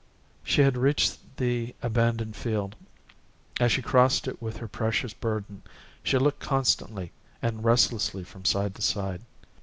She had reached the abandoned field. As she crossed it with her precious burden, she looked constantly and restlessly from side to side.